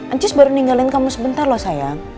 ancis baru ninggalin kamu sebentar loh sayang